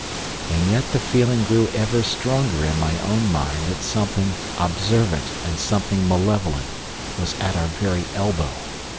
And yet the feeling grew ever stronger in my own mind that something observant and something malevolent was at our very elbow.